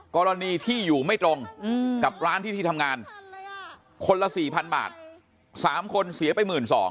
กรณีที่อยู่ไม่ตรงกับร้านที่ที่ทำงานคนละ๔๐๐๐บาท๓คนเสียไป๑๒๐๐